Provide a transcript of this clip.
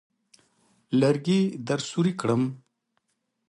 لرګي درسوري کړم.